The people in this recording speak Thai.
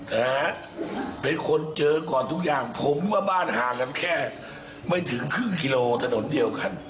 นะฮะเป็นคนเจอก่อนทุกอย่างผมว่าบ้านห่างกันแค่ไม่ถึงครึ่งกิโลถนนเดียวกัน